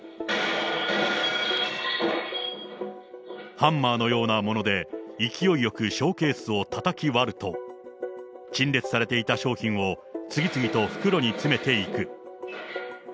ハンマーのようなもので、勢いよくショーケースをたたき割ると、陳列されていた商品を次々と袋に詰めていく。